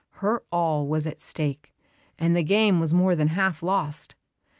Her all was at stake and the game was more than half lost.